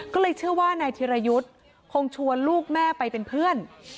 ก็เลยเชื่อว่านายธิรยุทธ์คงชวนลูกแม่ไปเป็นเพื่อน